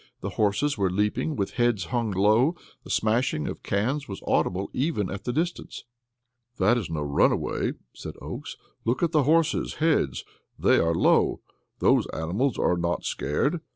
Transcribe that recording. The horses were leaping, with heads hung low. The smashing of cans was audible, even at the distance. "That is no runaway," said Oakes. "Look at the horses' heads they are low. Those animals are not scared."